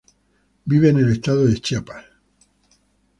Vive en el Estado de Chiapas.